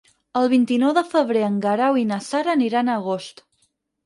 El vint-i-nou de febrer en Guerau i na Sara aniran a Agost.